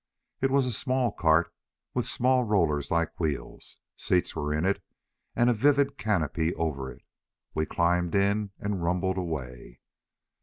It was a small cart with small rollers like wheels. Seats were in it and a vivid canopy over it. We climbed in and rumbled away.